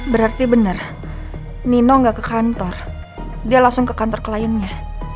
berarti benar nino nggak ke kantor dia langsung ke kantor kliennya